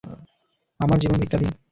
আমার জীবন ভিক্ষা দিন!